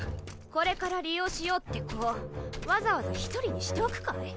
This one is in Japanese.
これから利用しようって子をわざわざ一人にしておくかい？